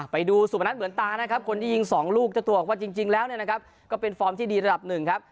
ไปดูสูบนัดเหมือนตานะครับคนที่ยิง๒ลูกจะตวกว่าจริงแล้วนะครับก็เป็นฟอร์มที่ดีระดับ๑ครับ